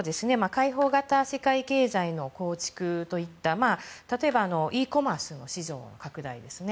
開放型世界経済の構築といった例えばｅコマースの市場の拡大ですね。